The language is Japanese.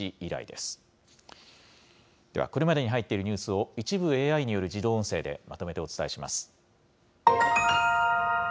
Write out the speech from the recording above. では、これまでに入っているニュースを、一部ＡＩによる自動音声でまとめてお伝えします。